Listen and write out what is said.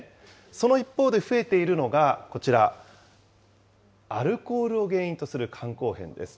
その一方で増えているのが、こちら、アルコールを原因とする肝硬変です。